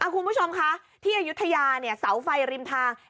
คุณผู้ชมคะที่อายุทยาเสาไฟริมทาง